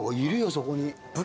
そこに。